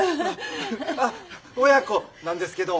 あ親子なんですけど。